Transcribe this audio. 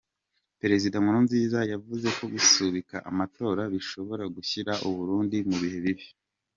Perezida Nkurunziza yavuze ko gusubika amatora bishobora gushyira u Burundi mu bihe bibi.